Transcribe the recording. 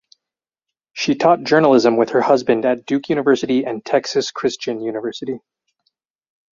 She taught journalism with her husband at Duke University and Texas Christian University.